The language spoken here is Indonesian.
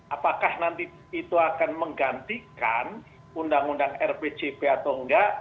apakah nanti itu akan menggantikan undang undang rpjp atau enggak